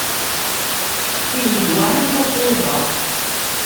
Ihi d wa i d Tatoeba.